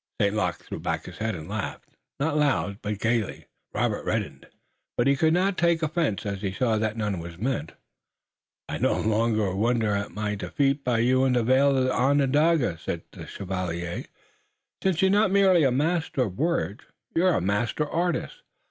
St. Luc threw back his head and laughed, not loud, but gayly and with unction. Robert reddened, but he could not take offense, as he saw that none was meant. "I no longer wonder at my defeat by you in the vale of Onondaga," said the chevalier, "since you're not merely a master of words, you're a master artist.